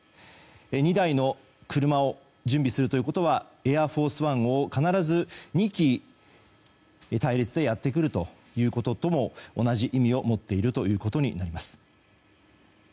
２台の車を準備するということは「エアフォースワン」が必ず２機の隊列でやってくるということとも同じ意味を持っているということにもなります。